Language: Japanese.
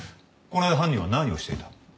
この間犯人は何をしていた？